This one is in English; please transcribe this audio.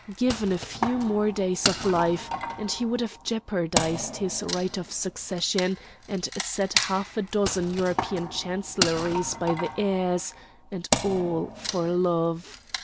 Given a few more days of life, and he would have jeopardized his right of succession and set half a dozen European chancelleries by the ears—and all for love!